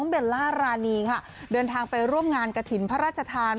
เบลล่ารานีค่ะเดินทางไปร่วมงานกระถิ่นพระราชทาน